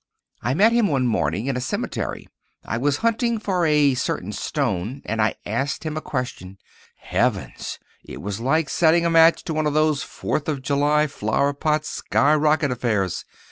I met him one morning in a cemetery. I was hunting for a certain stone and I asked him a question. Heavens! It was like setting a match to one of those Fourth of July flower pot sky rocket affairs.